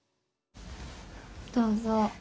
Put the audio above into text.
どうぞ。